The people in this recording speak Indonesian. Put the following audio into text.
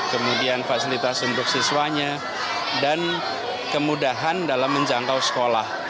kemudian fasilitas untuk siswanya dan kemudahan dalam menjangkau sekolah